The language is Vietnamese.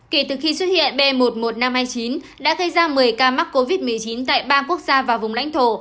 kể từ khi xuất hiện b một mươi một nghìn năm trăm hai mươi chín đã gây ra một mươi ca mắc covid một mươi chín tại ba quốc gia và vùng lãnh thổ